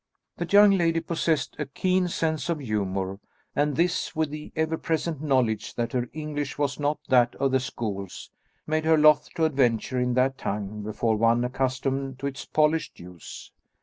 The young lady possessed a keen sense of humour, and this, with the ever present knowledge that her English was not that of the schools, made her loth to adventure in that tongue before one accustomed to its polished use.